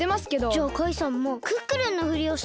じゃあカイさんもクックルンのふりをしたらどうですか？